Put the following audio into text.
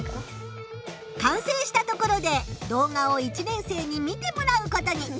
完成したところで動画を１年生に見てもらうことに。